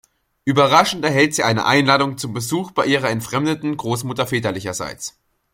Überraschend erhält sie eine Einladung zum Besuch bei ihrer entfremdeten Großmutter väterlicherseits.